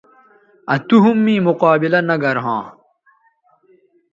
آ تو ھم می مقابلہ نہ گرھواں